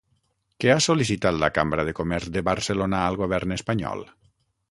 Què ha sol·licitat la Cambra de Comerç de Barcelona al govern espanyol?